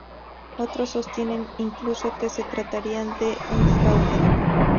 Otros sostienen incluso que se trataría de un fraude.